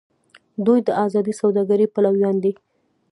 دوی د ازادې سوداګرۍ پلویان دي.